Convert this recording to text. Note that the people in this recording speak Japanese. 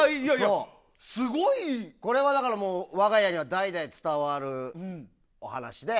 これは我が家に代々伝わるお話で。